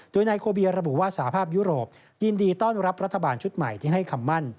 โดยนายโคเบียระบุว่าสาภาพยุโรปยินดีต้อนรับรัฐบาลชุดใหม่ที่ให้คำมั่น